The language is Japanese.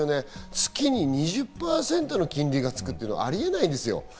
月に２０％の金利がつくっていうのはあり得ないですよ。